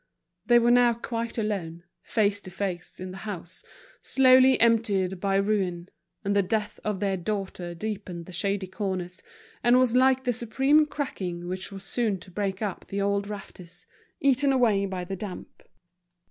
They were now quite alone, face to face, in the house, slowly emptied by ruin; and the death of their daughter deepened the shady corners, and was like the supreme cracking which was soon to break up the old rafters, eaten away by the damp.